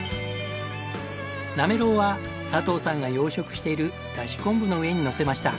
なめろうは佐藤さんが養殖しているだし昆布の上にのせました。